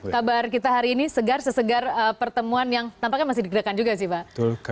kabar kita hari ini segar sesegar pertemuan yang tampaknya masih digerakkan juga sih pak